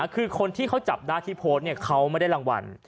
คือคนที่เขาจับได้ที่โพสต์เขาไม่ได้รางวัล